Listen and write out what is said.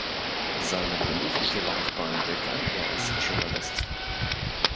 Seine berufliche Laufbahn begann er als Journalist.